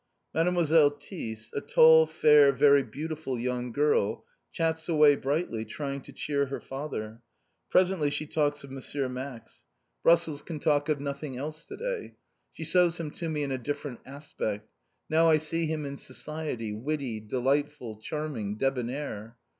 Mademoiselle Thys, a tall, fair, very beautiful young girl, chats away brightly, trying to cheer her father. Presently she talks of M. Max. Brussels can talk of nothing else to day. She shows him to me in a different aspect. Now I see him in society, witty, delightful, charming, débonnaire.